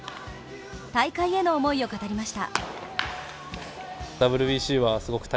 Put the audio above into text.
大会への思いを語りました。